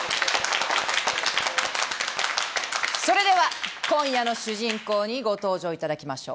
それでは、今夜の主人公にご登場いただきましょう。